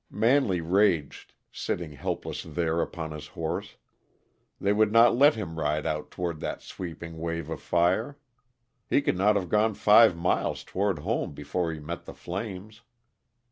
Manley raged, sitting helpless there upon his horse. They would not let him ride out toward that sweeping wave of fire. He could not have gone five miles toward home before he met the flames.